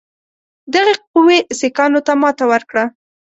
دغې قوې سیکهانو ته ماته ورکړه.